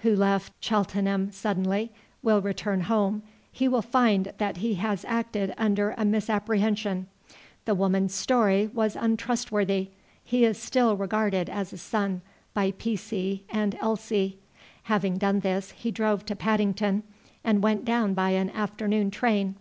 who left Cheltenham suddenly, will return home he will find that he has acted under a misapprehension. The woman's story was untrustworthy. He is still regarded as a son by P.C. and L.C." Having done this he drove to Paddington, and went down by an afternoon train.